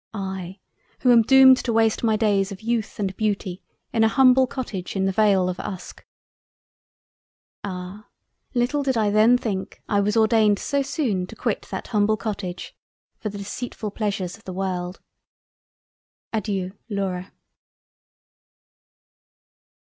I who am doomed to waste my Days of Youth and Beauty in an humble Cottage in the Vale of Uske." Ah! little did I then think I was ordained so soon to quit that humble Cottage for the Deceitfull Pleasures of the World. Adeiu. Laura.